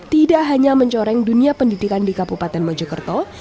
tidak hanya mencoreng dunia pendidikan di kabupaten mojokerto